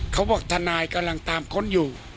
เขาบอกทนายกำลังตามค้นอยู่